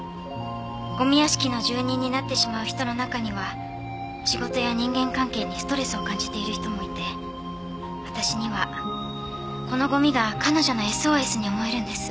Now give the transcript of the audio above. ゴミ屋敷の住人になってしまう人の中には仕事や人間関係にストレスを感じている人もいて私にはこのゴミが彼女のＳＯＳに思えるんです。